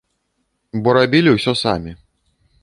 Бо рабілі ўсё самі.